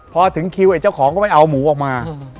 พอถึงคิวไอ้เจ้าของก็ไม่เอาหมูออกมา